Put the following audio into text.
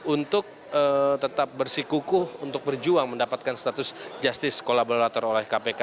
untuk tetap bersikukuh untuk berjuang mendapatkan status justice kolaborator oleh kpk